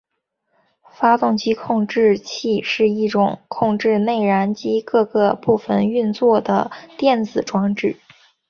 发动机控制器是一种控制内燃机各个部分运作的电子装置。